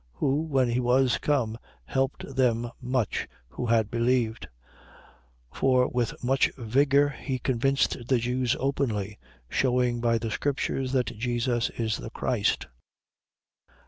Who, when he was come, helped them much who had believed. 18:28. For with much vigour he convinced the Jews openly, shewing by the scriptures that Jesus is the Christ.